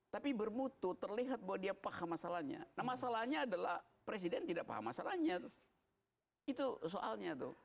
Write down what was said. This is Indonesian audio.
tapi bermutu terlihat bahwa dia paham masalahnya nah masalahnya adalah presiden tidak paham masalahnya itu soalnya tuh